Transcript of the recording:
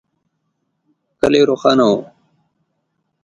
کلی روښانه و.